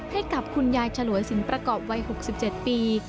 ให้กับคุณยายฉลวยสินประกอบวัย๖๗ปี